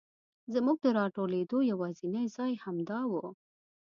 زمونږ د راټولېدو یواځینی ځای همدا و.